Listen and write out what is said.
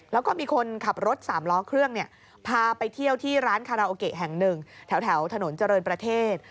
แล้วก็มีคนขับรถสามล้อเครื่องพาไปเที่ยวที่ร้านคาราโอเกะแห่งหนึ่งแถวถนนเจริญประเทศ